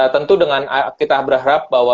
tentu dengan kita berharap bahwa